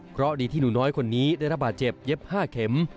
เพราะดีที่หนูน้อยคนนี้ได้รับบาดเจ็บเย็บ๕เข็ม